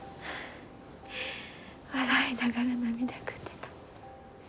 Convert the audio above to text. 笑いながら涙ぐんでた。